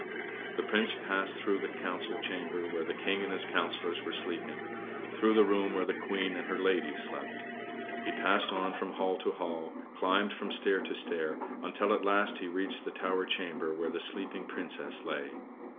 The Prince passed through the council chamber, where the King and his councillors were sleeping; through the room where the Queen and her ladies slept. He passed on from hall to hall, climbed from stair to stair, until at last he reached the tower chamber where the sleeping Princess lay.